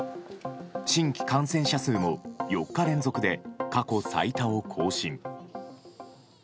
新規感染者数も４日連続で過去最多を更新。